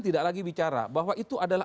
tidak lagi bicara bahwa itu adalah